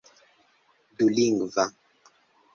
dulingva